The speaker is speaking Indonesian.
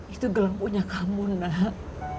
itu gelang punya kamu nanahak